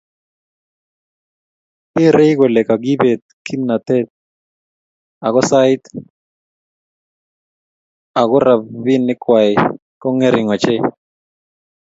geerei kole kagibeet kimnatet ako sait ago robinikwai kongering ochei